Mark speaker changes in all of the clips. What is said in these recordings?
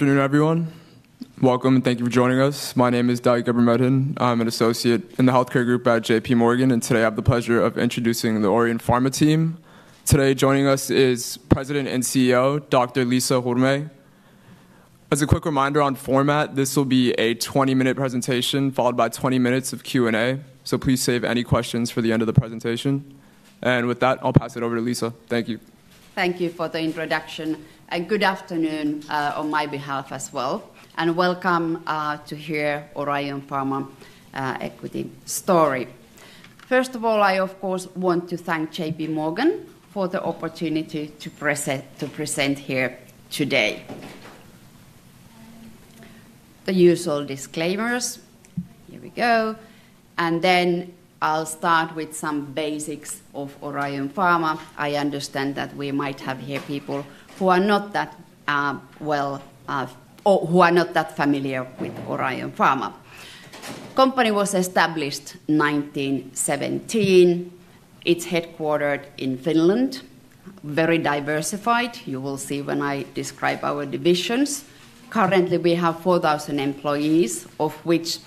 Speaker 1: Good afternoon, everyone. Welcome, and thank you for joining us. My name is Dawit Ghebremedhin. I'm an associate in the healthcare group at JPMorgan, and today I have the pleasure of introducing the Orion Pharma team. Today, joining us is President and CEO, Dr. Liisa Hurme. As a quick reminder on format, this will be a 20 minute presentation, followed by 20 minutes of Q&A, so please save any questions for the end of the presentation. And with that, I'll pass it over to Liisa. Thank you.
Speaker 2: Thank you for the introduction, and good afternoon, on my behalf as well, and welcome to hear Orion Pharma Equity story. First of all, I of course want to thank JPMorgan for the opportunity to present here today. The usual disclaimers, here we go, and then I'll start with some basics of Orion Pharma. I understand that we might have here people who are not that well or who are not that familiar with Orion Pharma. Company was established 1917. It's headquartered in Finland, very diversified. You will see when I describe our divisions. Currently, we have 4,000 employees, of which,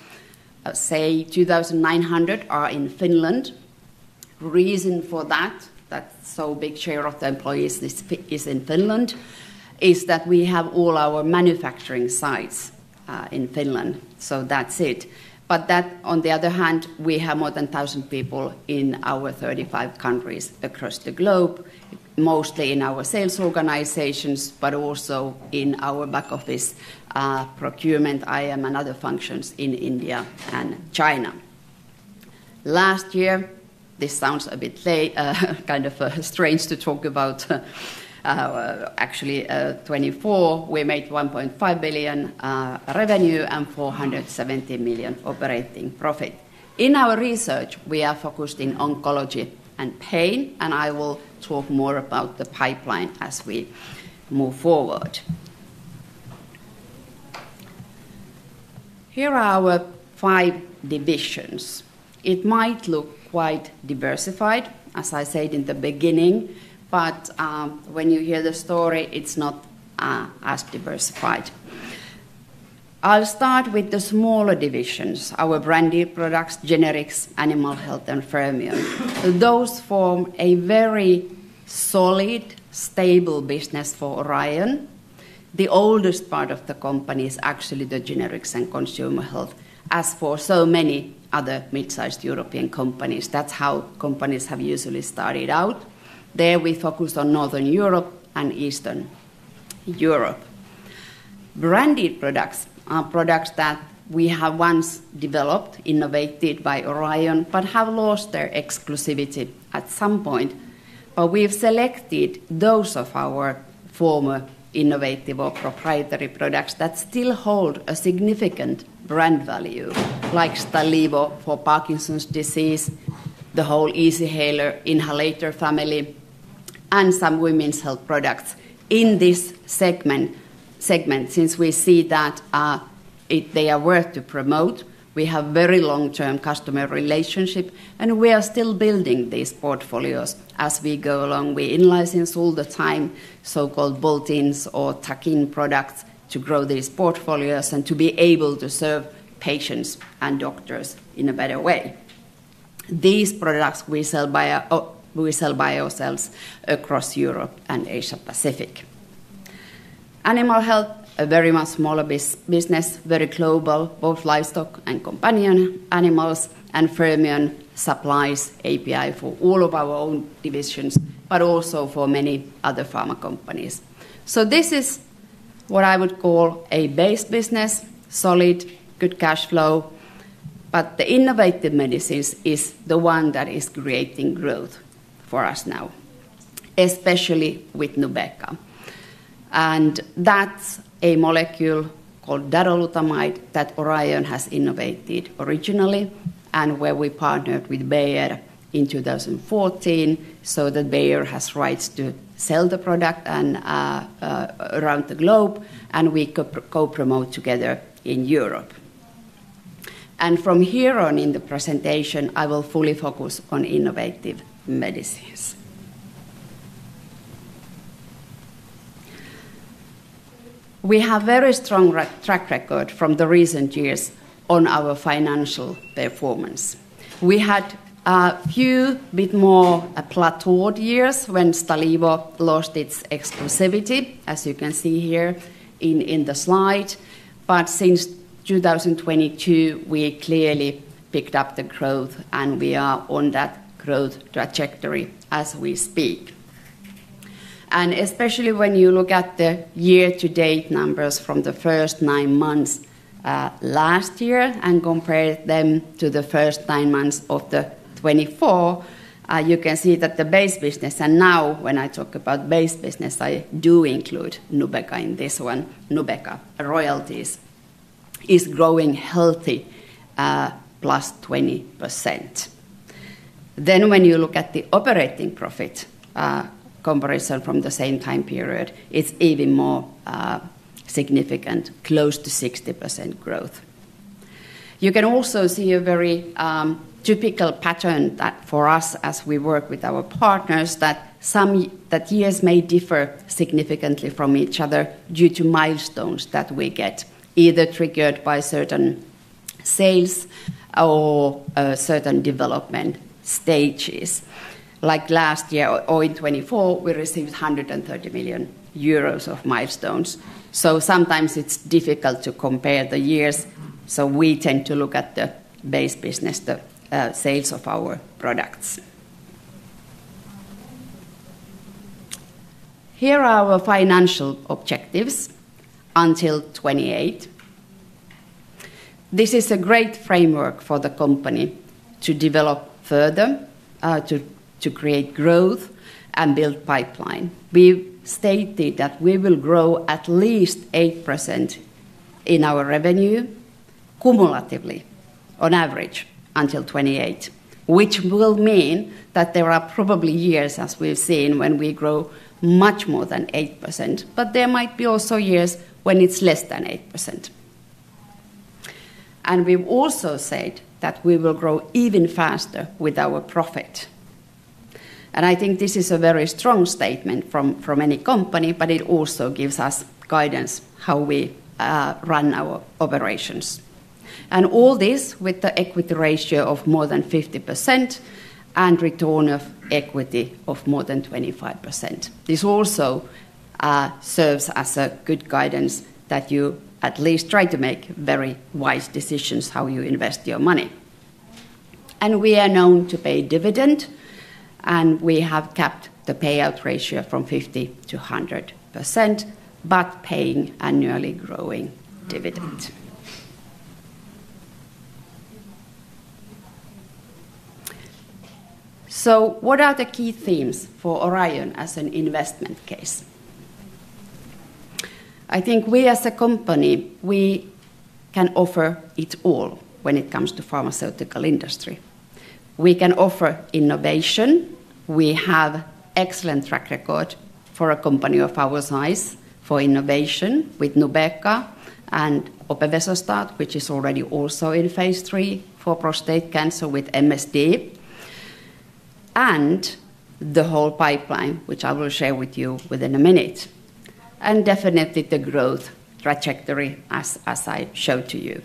Speaker 2: say, 2,900 are in Finland. Reason for that, that so big share of the employees is in Finland, is that we have all our manufacturing sites in Finland, so that's it. But that, on the other hand, we have more than 1,000 people in our 35 countries across the globe, mostly in our sales organizations, but also in our back office, procurement, IM, and other functions in India and China. Last year, this sounds a bit late, kind of, strange to talk about, actually, 2024, we made 1.5 billion revenue and 470 million operating profit. In our research, we are focused in oncology and pain, and I will talk more about the pipeline as we move forward. Here are our five divisions. It might look quite diversified, as I said in the beginning, but, when you hear the story, it's not as diversified. I'll start with the smaller divisions: our branded products, generics, animal health, and Fermion. Those form a very solid, stable business for Orion. The oldest part of the company is actually the generics and consumer health. As for so many other mid-sized European companies, that's how companies have usually started out. There, we focus on Northern Europe and Eastern Europe. Branded products are products that we have once developed, innovated by Orion, but have lost their exclusivity at some point. But we've selected those of our former innovative or proprietary products that still hold a significant brand value, like Stalevo for Parkinson's disease, the whole Easyhaler inhaler family, and some women's health products. In this segment, since we see that they are worth to promote, we have very long-term customer relationship, and we are still building these portfolios as we go along. We in-license all the time, so-called bolt-ins or tuck-in products, to grow these portfolios and to be able to serve patients and doctors in a better way. These products we sell by ourselves across Europe and Asia Pacific. Animal health, a very much smaller business, very global, both livestock and companion animals, and Fermion supplies API for all of our own divisions, but also for many other pharma companies. This is what I would call a base business, solid, good cash flow, but the innovative medicines is the one that is creating growth for us now, especially with Nubeqa. That's a molecule called darolutamide that Orion has innovated originally, and where we partnered with Bayer in two thousand and fourteen, so that Bayer has rights to sell the product and around the globe, and we co-promote together in Europe. From here on in the presentation, I will fully focus on innovative medicines. We have a very strong track record from the recent years on our financial performance. We had a few, a bit more plateaued years when Stalevo lost its exclusivity, as you can see here in the slide. But since 2022, we clearly picked up the growth, and we are on that growth trajectory as we speak. Especially when you look at the year-to-date numbers from the first nine months last year and compare them to the first nine months of 2024, you can see that the base business, and now when I talk about base business, I do include Nubeqa in this one. Nubeqa royalties is growing healthy, plus 20%. Then when you look at the operating profit comparison from the same time period, it's even more significant, close to 60% growth. You can also see a very typical pattern that for us as we work with our partners, years may differ significantly from each other due to milestones that we get, either triggered by certain sales or certain development stages. Like last year or in 2024, we received 130 million euros of milestones. So sometimes it's difficult to compare the years, so we tend to look at the base business, the sales of our products. Here are our financial objectives until 2028. This is a great framework for the company to develop further, to create growth and build pipeline. We've stated that we will grow at least 8% in our revenue cumulatively, on average, until 2028, which will mean that there are probably years, as we've seen, when we grow much more than 8%, but there might be also years when it's less than 8%, and we've also said that we will grow even faster with our profit, and I think this is a very strong statement from any company, but it also gives us guidance how we run our operations, and all this with the equity ratio of more than 50% and return of equity of more than 25%. This also serves as a good guidance that you at least try to make very wise decisions how you invest your money. We are known to pay dividend, and we have capped the payout ratio from 50%-100%, but paying annually growing dividend. What are the key themes for Orion as an investment case? I think we as a company, we can offer it all when it comes to pharmaceutical industry. We can offer innovation. We have excellent track record for a company of our size for innovation with Nubeqa and opevesostat, which is already also in phase III for prostate cancer with MSD, and the whole pipeline, which I will share with you within a minute, and definitely the growth trajectory, as I showed to you.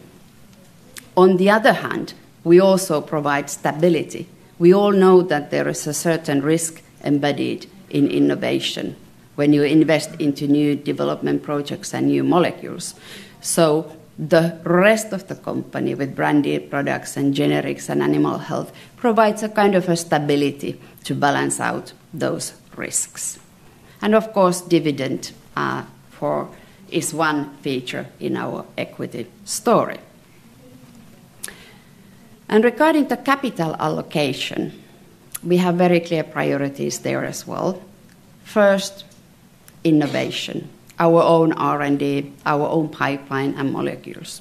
Speaker 2: On the other hand, we also provide stability. We all know that there is a certain risk embedded in innovation when you invest into new development projects and new molecules. So the rest of the company, with branded products and generics and animal health, provides a kind of a stability to balance out those risks. And of course, dividend is one feature in our equity story. And regarding the capital allocation, we have very clear priorities there as well. First, innovation, our own R&D, our own pipeline and molecules.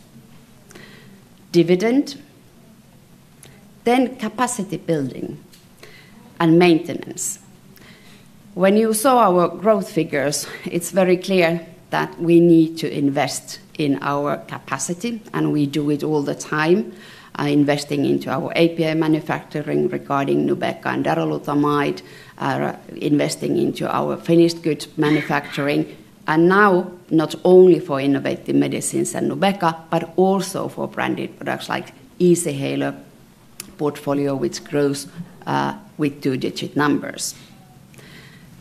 Speaker 2: Dividend, then capacity building and maintenance. When you saw our growth figures, it's very clear that we need to invest in our capacity, and we do it all the time, investing into our API manufacturing regarding Nubeqa and darolutamide, investing into our finished goods manufacturing, and now not only for innovative medicines and Nubeqa, but also for branded products like Easyhaler portfolio, which grows with two-digit numbers.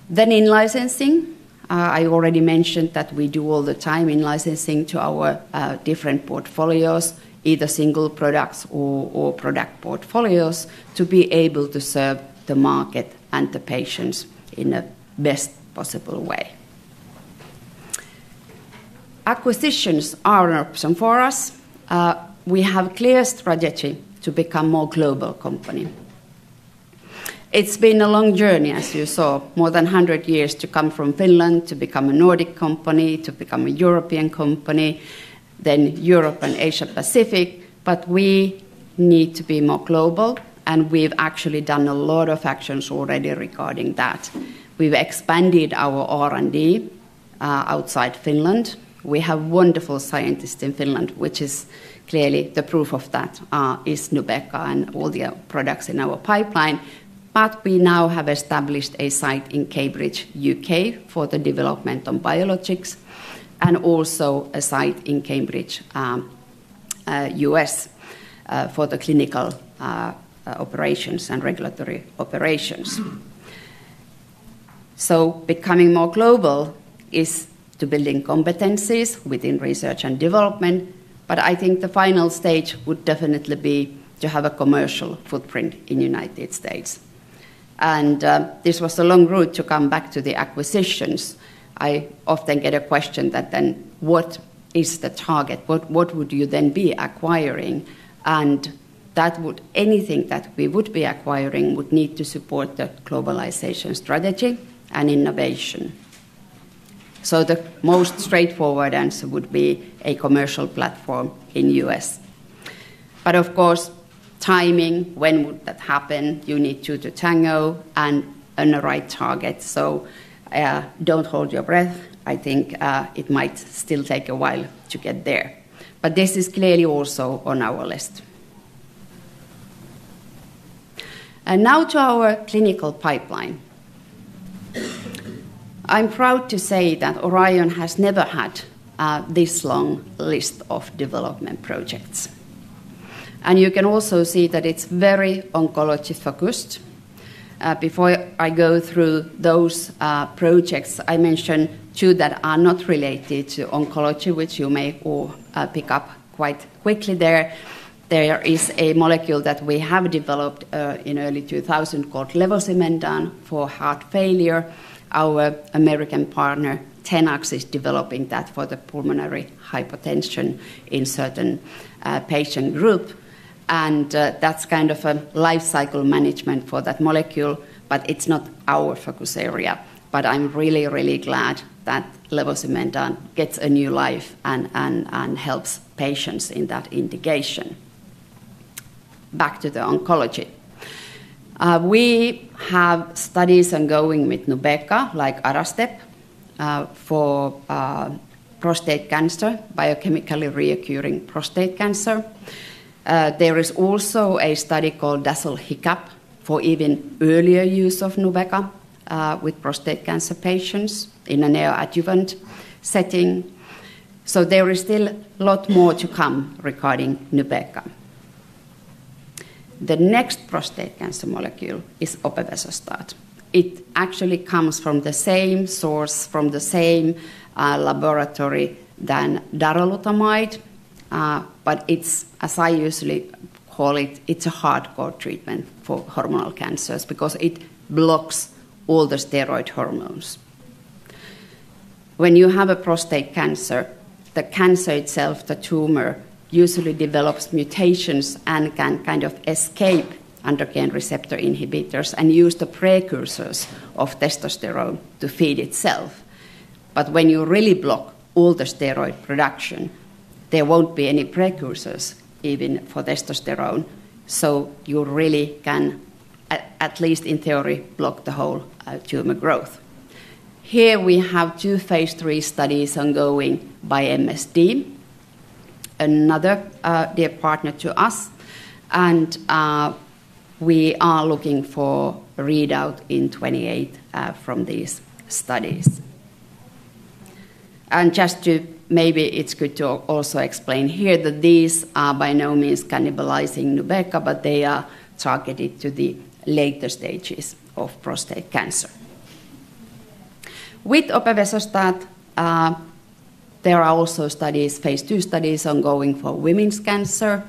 Speaker 2: Then in licensing, I already mentioned that we do all the time in licensing to our different portfolios, either single products or product portfolios, to be able to serve the market and the patients in the best possible way. Acquisitions are an option for us. We have clear strategy to become more global company. It's been a long journey, as you saw, more than hundred years to come from Finland to become a Nordic company, to become a European company, then Europe and Asia Pacific, but we need to be more global, and we've actually done a lot of actions already regarding that. We've expanded our R&D outside Finland. We have wonderful scientists in Finland, which is clearly the proof of that, is Nubeqa and all the products in our pipeline. But we now have established a site in Cambridge, U.K., for the development of biologics, and also a site in Cambridge, U.S., for the clinical operations and regulatory operations. So becoming more global is to building competencies within research and development, but I think the final stage would definitely be to have a commercial footprint in United States. And this was a long route to come back to the acquisitions. I often get a question that then, "What is the target? What, what would you then be acquiring?" And that would, anything that we would be acquiring would need to support the globalization strategy and innovation. So the most straightforward answer would be a commercial platform in U.S. But of course, timing, when would that happen? You need two to tango and on the right target. So, don't hold your breath. I think, it might still take a while to get there, but this is clearly also on our list. Now to our clinical pipeline. I'm proud to say that Orion has never had this long list of development projects, and you can also see that it's very oncology-focused. Before I go through those projects, I mention two that are not related to oncology, which you may all pick up quite quickly there. There is a molecule that we have developed in early 2000 called levosimendan for heart failure. Our American partner, Tenax, is developing that for the pulmonary hypertension in certain patient group, and that's kind of a life cycle management for that molecule, but it's not our focus area. I'm really, really glad that levosimendan gets a new life and helps patients in that indication. Back to the oncology. We have studies ongoing with Nubeqa, like ARASTEP, for prostate cancer, biochemically recurrent prostate cancer. There is also a study called DASL-HiCaP for even earlier use of Nubeqa with prostate cancer patients in a neoadjuvant setting. So there is still a lot more to come regarding Nubeqa. The next prostate cancer molecule is opevesostat. It actually comes from the same source, from the same laboratory than darolutamide, but it's, as I usually call it, it's a hardcore treatment for hormonal cancers because it blocks all the steroid hormones. When you have a prostate cancer, the cancer itself, the tumor, usually develops mutations and can kind of escape androgen receptor inhibitors and use the precursors of testosterone to feed itself. But when you really block all the steroid production, there won't be any precursors even for testosterone, so you really can, at least in theory, block the whole tumor growth. Here we have two phase III studies ongoing by MSD, another dear partner to us, and we are looking for a readout in 2028 from these studies. And just to maybe it's good to also explain here that these are by no means cannibalizing Nubeqa, but they are targeted to the later stages of prostate cancer. With opevesostat, there are also studies, phase II studies, ongoing for women's cancer.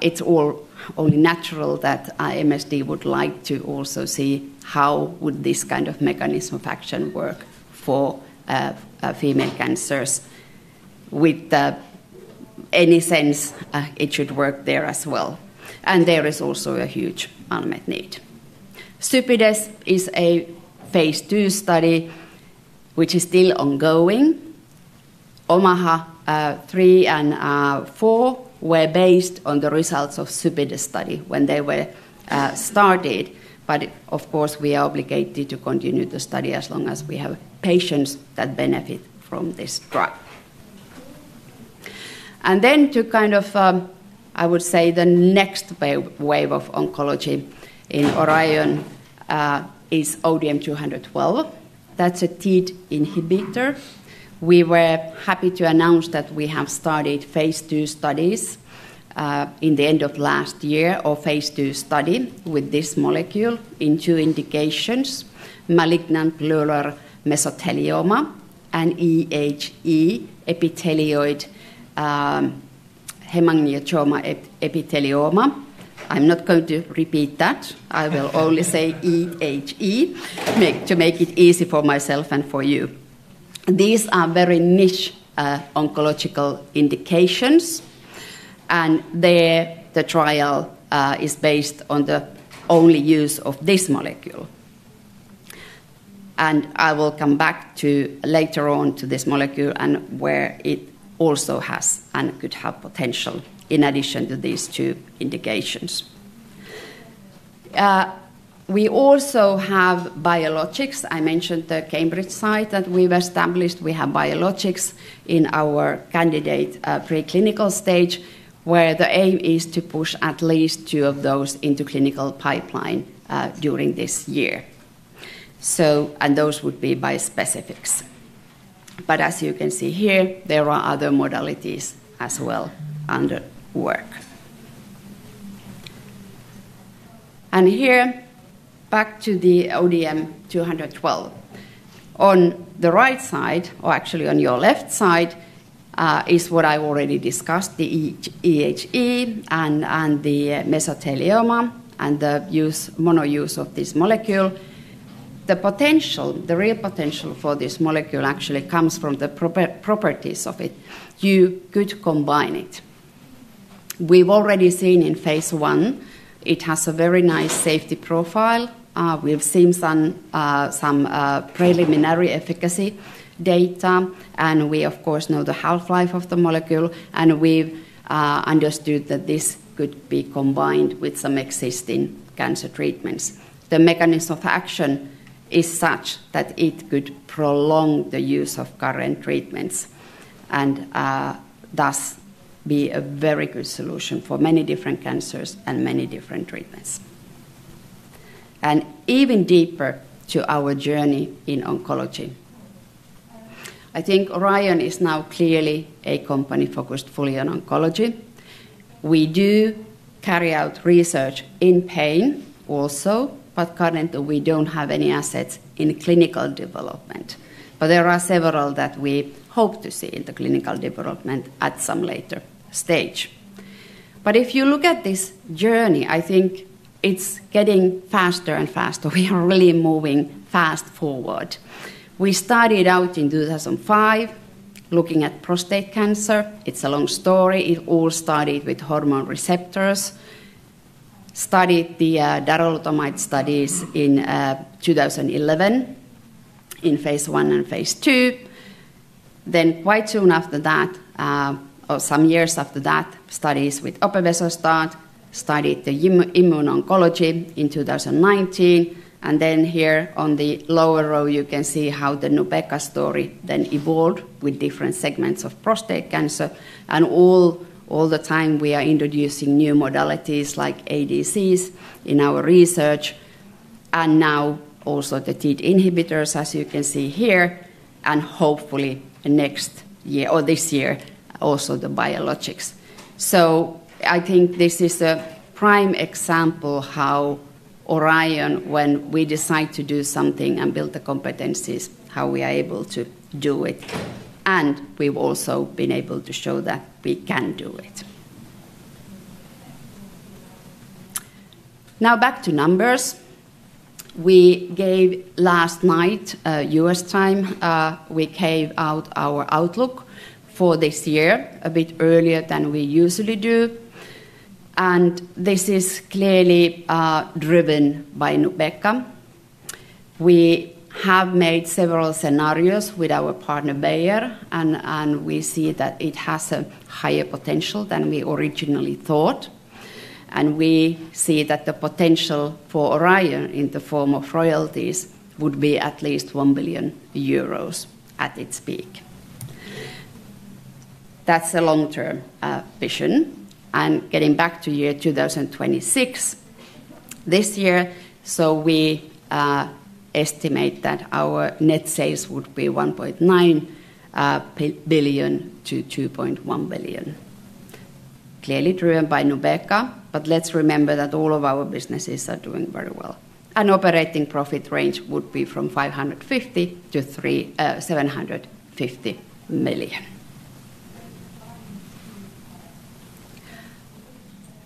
Speaker 2: It's all only natural that MSD would like to also see how would this kind of mechanism of action work for female cancers. With any sense, it should work there as well, and there is also a huge unmet need. CYPIDES is a phase II study which is still ongoing. OMAHA three and four were based on the results of CYPIDES study when they were started, but of course, we are obligated to continue the study as long as we have patients that benefit from this drug. And then to kind of, I would say, the next wave of oncology in Orion is ODM-212. That's a TEAD inhibitor. We were happy to announce that we have started phase II studies in the end of last year, or phase II study with this molecule in two indications, malignant pleural mesothelioma and EHE, epithelioid hemangioendothelioma. I'm not going to repeat that. I will only say EHE, to make it easy for myself and for you. These are very niche, oncological indications, and there, the trial, is based on the only use of this molecule. I will come back to, later on to this molecule and where it also has and could have potential in addition to these two indications. We also have biologics. I mentioned the Cambridge site that we've established. We have biologics in our candidate, preclinical stage, where the aim is to push at least two of those into clinical pipeline, during this year. And those would be bispecifics. But as you can see here, there are other modalities as well under work. And here, back to the ODM-212. On the right side, or actually on your left side, is what I already discussed, the EHE and the mesothelioma and the monotherapy use of this molecule. The real potential for this molecule actually comes from the properties of it. You could combine it. We've already seen in phase I, it has a very nice safety profile. We've seen some preliminary efficacy data, and we of course know the half-life of the molecule, and we've understood that this could be combined with some existing cancer treatments. The mechanism of action is such that it could prolong the use of current treatments, and thus be a very good solution for many different cancers and many different treatments. And even deeper to our journey in oncology. I think Orion is now clearly a company focused fully on oncology. We do carry out research in pain also, but currently we don't have any assets in clinical development, but there are several that we hope to see in the clinical development at some later stage, but if you look at this journey, I think it's getting faster and faster. We are really moving fast forward. We started out in two thousand and five, looking at prostate cancer. It's a long story. It all started with hormone receptors. Started the darolutamide studies in two thousand and eleven, in phase one and phase two. Then quite soon after that, or some years after that, studies with opevesostat, started the immuno-oncology in two thousand and nineteen, and then here on the lower row, you can see how the Nubeqa story then evolved with different segments of prostate cancer. And all the time, we are introducing new modalities like ADCs in our research, and now also the TEAD inhibitors, as you can see here, and hopefully next year or this year, also the biologics. So I think this is a prime example how Orion, when we decide to do something and build the competencies, how we are able to do it, and we've also been able to show that we can do it. Now, back to numbers. We gave last night, U.S. time, we gave out our outlook for this year a bit earlier than we usually do, and this is clearly driven by Nubeqa. We have made several scenarios with our partner, Bayer, and we see that it has a higher potential than we originally thought. And we see that the potential for Orion in the form of royalties would be at least 1 billion euros at its peak. That's a long-term vision, and getting back to year 2026, this year, so we estimate that our net sales would be 1.9 billion-2.1 billion. Clearly, driven by Nubeqa, but let's remember that all of our businesses are doing very well. An operating profit range would be from 550 million-750 million.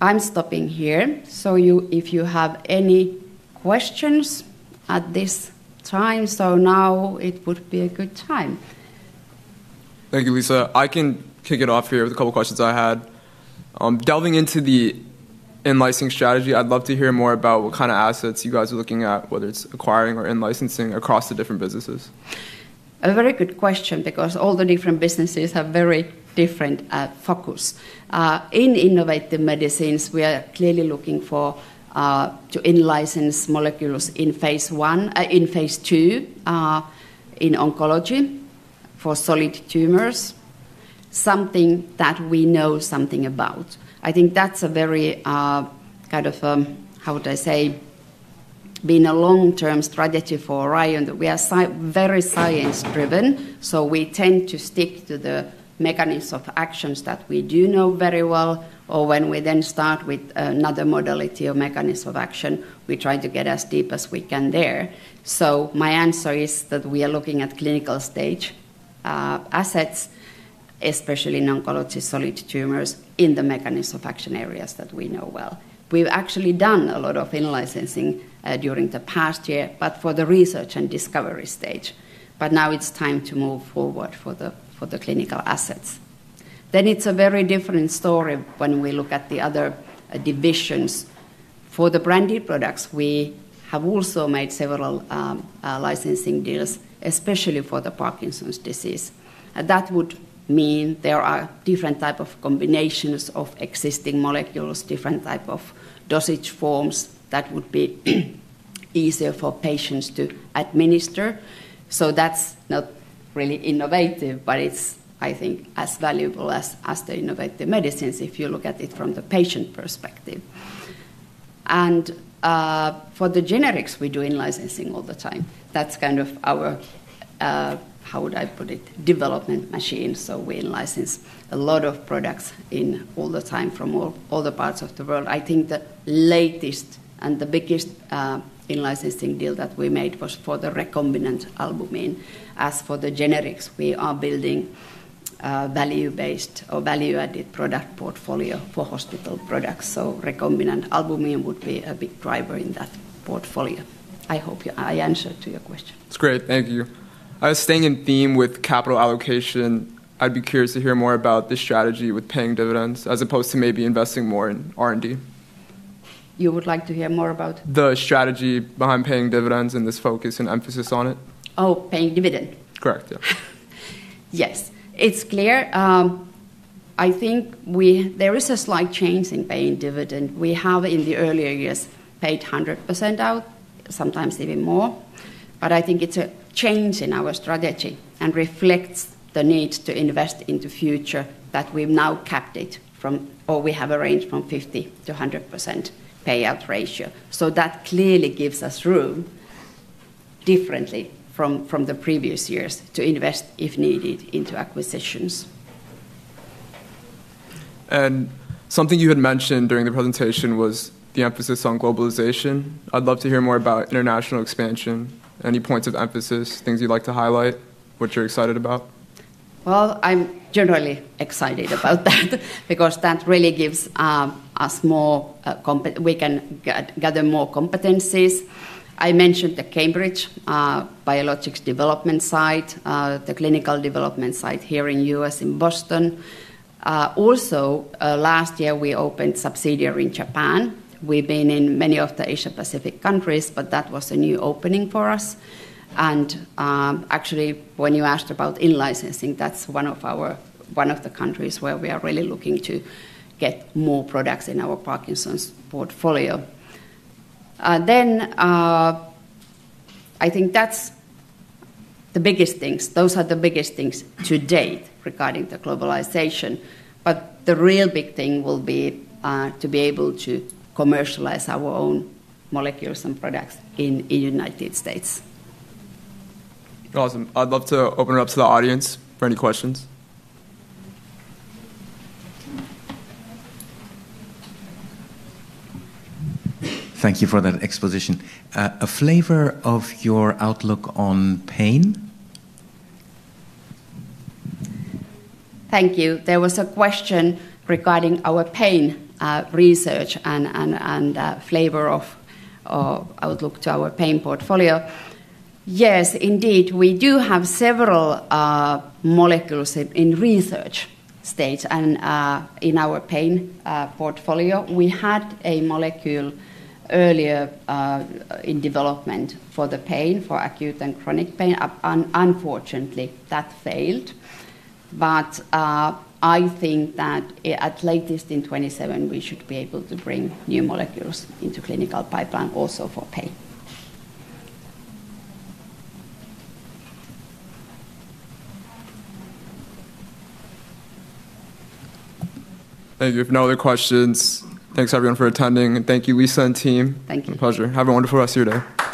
Speaker 2: I'm stopping here, so if you have any questions at this time, so now it would be a good time.
Speaker 1: Thank you, Liisa. I can kick it off here with a couple of questions I had. Delving into the in-licensing strategy, I'd love to hear more about what kind of assets you guys are looking at, whether it's acquiring or in-licensing across the different businesses.
Speaker 2: A very good question because all the different businesses have very different focus. In innovative medicines, we are clearly looking for to in-license molecules in phase one in phase two in oncology for solid tumors, something that we know something about. I think that's a very kind of how would I say? A long-term strategy for Orion that we are very science-driven, so we tend to stick to the mechanisms of actions that we do know very well, or when we then start with another modality or mechanism of action, we try to get as deep as we can there. So my answer is that we are looking at clinical stage assets, especially in oncology, solid tumors, in the mechanism of action areas that we know well. We've actually done a lot of in-licensing during the past year, but for the research and discovery stage, but now it's time to move forward for the clinical assets, then it's a very different story when we look at the other divisions. For the branded products, we have also made several licensing deals, especially for the Parkinson's disease. That would mean there are different type of combinations of existing molecules, different type of dosage forms that would be easier for patients to administer. So that's not really innovative, but it's, I think, as valuable as the innovative medicines, if you look at it from the patient perspective, and for the generics, we do in-licensing all the time. That's kind of our how would I put it? Development machine, so we in-license a lot of products in all the time from all the parts of the world. I think the latest and the biggest in-licensing deal that we made was for the recombinant albumin. As for the generics, we are building value-based or value-added product portfolio for hospital products, so recombinant albumin would be a big driver in that portfolio. I hope I answered to your question.
Speaker 1: It's great. Thank you. Staying in theme with capital allocation, I'd be curious to hear more about the strategy with paying dividends, as opposed to maybe investing more in R&D.
Speaker 2: You would like to hear more about?
Speaker 1: The strategy behind paying dividends and this focus and emphasis on it.
Speaker 2: Oh, paying dividend.
Speaker 1: Correct, yeah.
Speaker 2: Yes, it's clear. I think there is a slight change in paying dividend. We have, in the earlier years, paid 100% out, sometimes even more, but I think it's a change in our strategy and reflects the need to invest in the future, that we've now capped it from, or we have a range from 50%-100% payout ratio. So that clearly gives us room, differently from the previous years, to invest, if needed, into acquisitions.
Speaker 1: And something you had mentioned during the presentation was the emphasis on globalization. I'd love to hear more about international expansion. Any points of emphasis, things you'd like to highlight, what you're excited about?
Speaker 2: I'm generally excited about that because that really gives us more, we can gather more competencies. I mentioned the Cambridge biologics development site, the clinical development site here in U.S., in Boston. Also, last year we opened subsidiary in Japan. We've been in many of the Asia-Pacific countries, but that was a new opening for us, and actually, when you asked about in-licensing, that's one of the countries where we are really looking to get more products in our Parkinson's portfolio. I think that's the biggest things. Those are the biggest things to date regarding the globalization, but the real big thing will be to be able to commercialize our own molecules and products in United States.
Speaker 1: Awesome. I'd love to open it up to the audience for any questions. Thank you for that exposition. A flavor of your outlook on pain?
Speaker 2: Thank you. There was a question regarding our pain research and flavor of outlook to our pain portfolio. Yes, indeed, we do have several molecules in research stage and in our pain portfolio. We had a molecule earlier in development for the pain, for acute and chronic pain, unfortunately, that failed. But, I think that at latest in 2027, we should be able to bring new molecules into clinical pipeline also for pain.
Speaker 1: Thank you. If no other questions, thanks everyone for attending, and thank you, Liisa and team.
Speaker 2: Thank you.
Speaker 1: A pleasure. Have a wonderful rest of your day.
Speaker 2: Thank you!